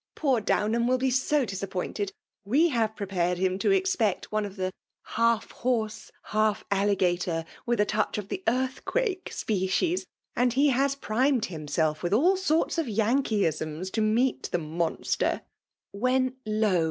Poor Downham will be so disappointed !— We have prepared him to expect one of the ''half horse, half alligaior, with a touch of the earthquake species ;— and he has primed himself with all «ort8 of Yankeeisms to meet the monster; when, lo!